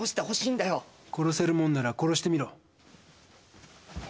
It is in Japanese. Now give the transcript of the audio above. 殺せるもんなら殺してみろ。